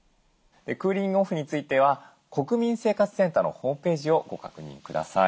クーリング・オフについては国民生活センターのホームページをご確認ください。